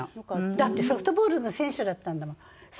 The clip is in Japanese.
だってソフトボールの選手だったんだもん。